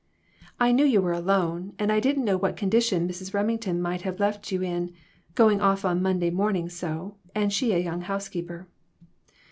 "I knew you were alone, and I didn't know what condition Mrs. Remington might have left you in ; going off on Monday morning so, and she a young housekeeper."